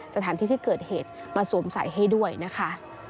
สถานที่ที่เกิดเหตุมาสวมใส่ให้ด้วยนะคะ